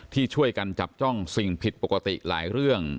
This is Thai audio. ที่ช่วยกันจับจ้องสิ่งผิดปกติหลายเรื่อง